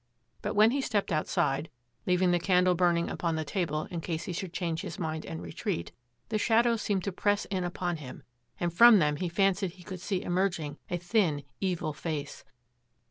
But when he stepped outside, leaving the candle burning upon the table in case he should change his mind and retreat, the shadows seemed to press in upon him and from them he fancied he could see emerging a thin, evil face.